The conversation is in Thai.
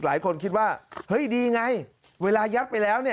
หลายคนคิดว่าเฮ้ยดีไงเวลายัดไปแล้วเนี่ย